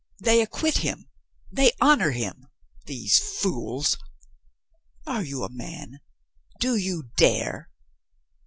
They acquit him; they honor him; these fools. Are you a man? Do you dare?"